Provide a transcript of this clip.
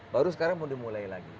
baru sekarang mau dimulai lagi